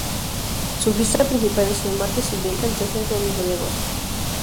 Su fiesta principal es el martes siguiente al tercer domingo de agosto.